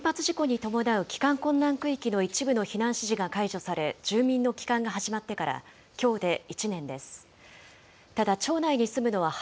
福島県双葉町で、原発事故に伴う帰還困難区域の一部の避難指示が解除され、住民の帰還が始まってから、きょうで１年です。